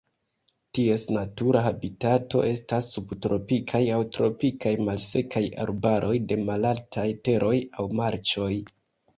Ties natura habitato estas subtropikaj aŭ tropikaj malsekaj arbaroj de malaltaj teroj aŭ marĉoj.